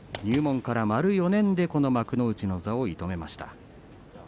入門から丸４年で幕内の座を射止めました。